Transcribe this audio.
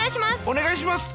お願いします！